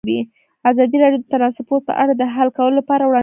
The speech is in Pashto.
ازادي راډیو د ترانسپورټ په اړه د حل کولو لپاره وړاندیزونه کړي.